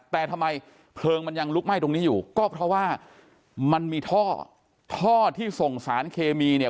แต่ทำไมเพลิงมันยังลุกไหม้ตรงนี้อยู่ก็เพราะว่ามันมีท่อท่อที่ส่งสารเคมีเนี่ย